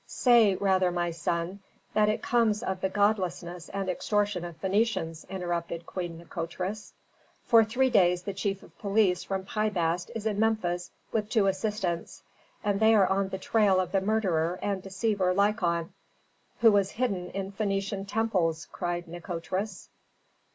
"Say, rather, my son, that it comes of the godlessness and extortion of Phœnicians," interrupted Queen Nikotris. "For three days the chief of police from Pi Bast is in Memphis with two assistants, and they are on the trail of the murderer and deceiver Lykon " "Who was hidden in Phœnician temples!" cried Nikotris.